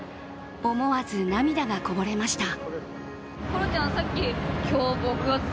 思わず涙がこぼれました。